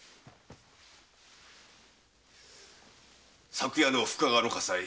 昨夜の深川の火災